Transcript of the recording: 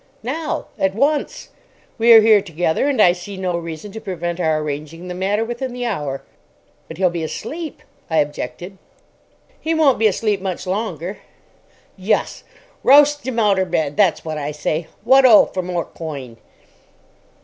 "Now. At once. We are here together, and I see no reason to prevent our arranging the matter within the hour." "But he'll be asleep," I objected. "He won't be asleep much longer." "Yus, roust 'im outer bed. That's wot I say. Wot 'o for more coin."